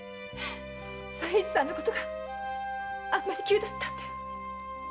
左平次さんのことがあんまり急だったんで。